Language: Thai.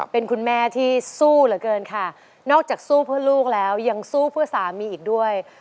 เป็นคุณแม่ที่สู้เหลือเกินค่ะนอกจากสู้เพื่อลูกแล้วยังสู้เพื่อสามีอีกด้วย